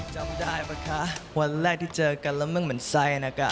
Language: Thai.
จำได้ป่ะคะวันแรกที่เจอกันแล้วมึงเหมือนไส้นะคะ